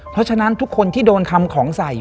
เพราะฉะนั้นทุกคนที่โดนทำของใส่